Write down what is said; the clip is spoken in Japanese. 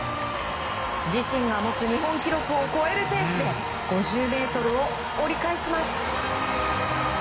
自身が持つ日本記録を超えるペースで５０ｍを折り返します。